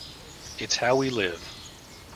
It’s how we live.